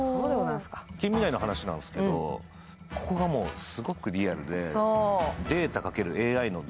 近未来の話なんですけどここがすごくリアルで。